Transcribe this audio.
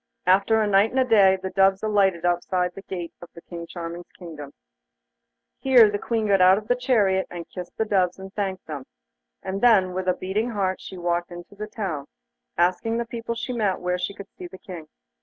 After a night and a day the doves alighted outside the gate of King Charming's kingdom. Here the Queen got out of the chariot, and kissed the doves and thanked them, and then with a beating heart she walked into the town, asking the people she met where she could see the King.